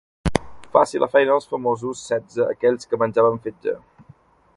Faci la feina dels famosos setze aquells que menjaven fetge.